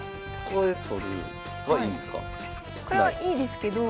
これはいいですけど。